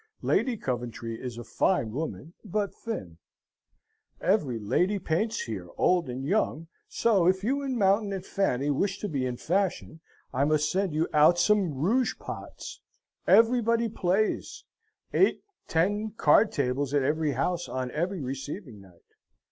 Lady Coventry is a fine woman, but thinn. Every lady paints here, old and young; so, if you and Mountain and Fanny wish to be in fashion, I must send you out some roogepots: everybody plays eight, ten, card tables at every house on every receiving night.